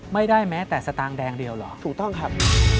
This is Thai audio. ไม่ได้แม้แต่สตางค์แดงเดียวเหรอถูกต้องครับ